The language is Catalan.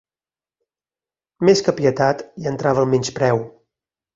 Més que pietat, hi entrava el menyspreu.